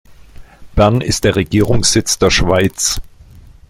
Bern ist der Regierungssitz der Schweiz.